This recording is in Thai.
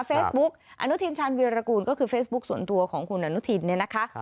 เฟซบุ๊กอนุทินชาญวีรกูลก็คือเฟซบุ๊คส่วนตัวของคุณอนุทินเนี่ยนะคะ